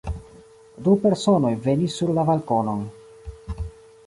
Du personoj venis sur la balkonon.